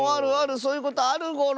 そういうことあるゴロ。